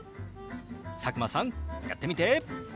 佐久間さんやってみて！